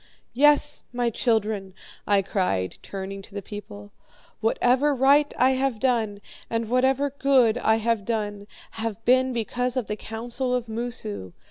"'Yes, my children,' I cried, turning to the people, 'whatever right I have done, and whatever good I have done, have been because of the counsel of Moosu.